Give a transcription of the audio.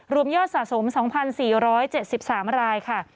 รวมยอดสะสม๒๔๗๓รายค่ะ